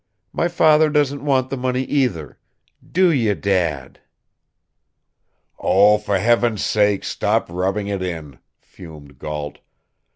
My father doesn't want the money either. Do you, Dad?" "Oh, for heaven's sake, stop rubbing it in!" fumed Gault.